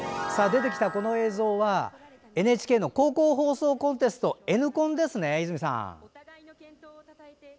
出てきたこの映像はＮＨＫの高校放送コンテストＮコンですね、泉さん。